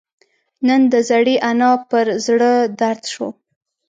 نن د زړې انا پر زړه دړد شو